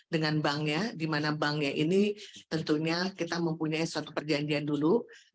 dengan banknya di mana banknya ini tentunya kita mempunyai suatu perjanjian dulu